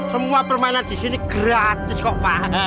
semua permainan di sini gratis kok pak